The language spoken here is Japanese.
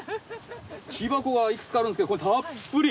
木箱がいくつかあるんですけどこれたっぷり。